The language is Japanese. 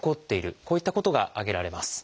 こういったことが挙げられます。